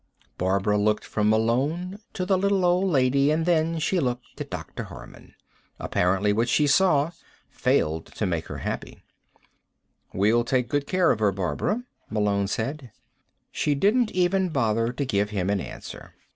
Barbara looked from Malone to the little old lady, and then she looked at Dr. Harman. Apparently what she saw failed to make her happy. "We'll take good care of her, Barbara," Malone said. She didn't even bother to give him an answer.